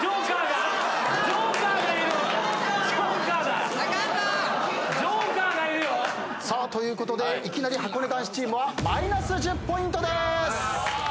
ＪＯＫＥＲがいるよ！ということでいきなりはこね男子チームはマイナス１０ポイントです。